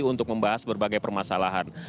untuk membahas berbagai permasalahan